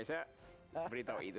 saya beritahu itu